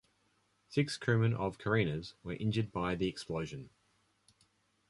Six crewmen of "Carina"s were injured by the explosion.